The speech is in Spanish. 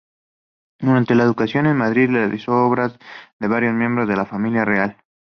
Durante su educación en Madrid, realizó obras de varios miembros de la Familia Real.